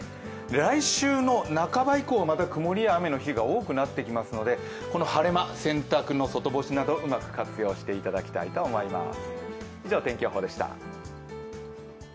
来週の半ば以降は、またくもりや雨の日が多くなってきますので洗濯の外干しなど、うまく活用していただきたいと思います。